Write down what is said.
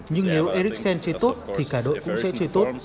nhưng nếu ericsson chơi tốt thì cả đội cũng sẽ chơi tốt